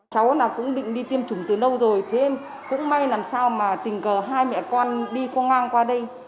cháu cũng định đi tiêm chủng từ lâu rồi thế em cũng may làm sao mà tình cờ hai mẹ con đi con ngang qua đây